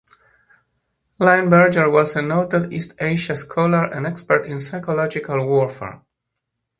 Linebarger was a noted East Asia scholar and expert in psychological warfare.